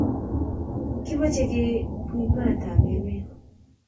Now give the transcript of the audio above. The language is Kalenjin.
Kimoche kepui maat ab emet